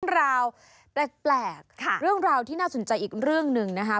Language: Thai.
เรื่องราวแปลกเรื่องราวที่น่าสนใจอีกเรื่องหนึ่งนะคะ